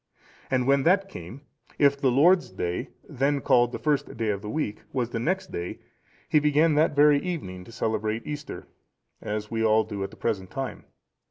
And when that came, if the Lord's day, then called the first day of the week, was the next day, he began that very evening to celebrate Easter, as we all do at the present time.